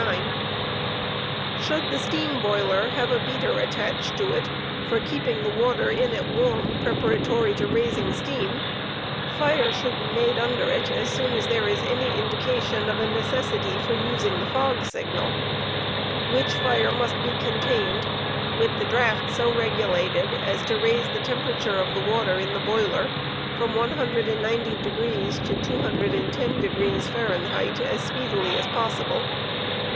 130* Should the steam boiler have a beater attached to it for keeping the water in it warm preparatory to raising steam, fire should be made "under it as soon as there is 17 auy indication of a necessity for using the fog signal, which fire must be continued, 4 with the draught so regulated as to raise the temperature of the water in the boiler from 190° to 210° Fahrenheit as speedily as possible.